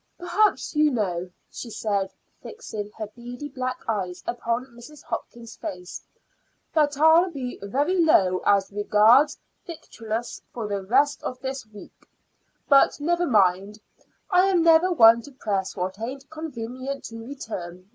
"Perhaps you know," she said, fixing her beady black eyes upon Mrs. Hopkins's face, "that I'll be very low as regards victuals for the rest of this week. But never mind; I am never one to press what it ain't convenient to return.